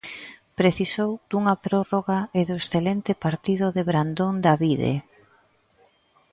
Precisou dunha prórroga e do excelente partido de Brandon Davide.